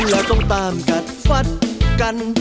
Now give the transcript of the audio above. ดูแล้วคงไม่รอดเพราะเราคู่กัน